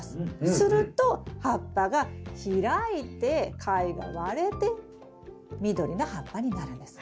すると葉っぱが開いて貝が割れて緑の葉っぱになるんです。